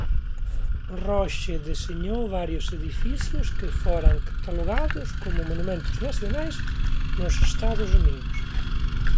Roche deseñou varios edificios que foron catalogados como monumentos nacionais nos Estados Unidos.